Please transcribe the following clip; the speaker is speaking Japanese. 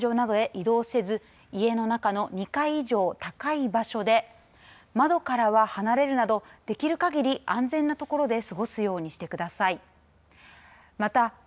無理に避難所などへ移動せず家の中の２階以上、高い場所で窓からは離れるなどできるかぎり安全な所で過ごすようにしてください。